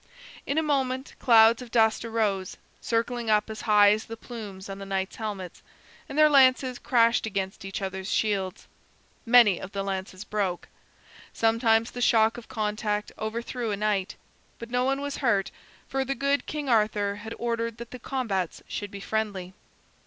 In a moment clouds of dust arose, circling up as high as the plumes on the knights' helmets, and their lances crashed against each other's shields. Many of the lances broke. Sometimes the shock of contact overthrew a knight. But no one was hurt, for the good King Arthur had ordered that the combats should be friendly.